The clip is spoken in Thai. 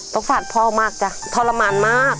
สงสารพ่อมากจ้ะทรมานมาก